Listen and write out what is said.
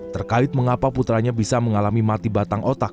terkait mengapa putranya bisa mengalami mati batang otak